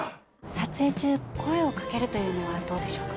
撮影中声をかけるというのはどうでしょうか？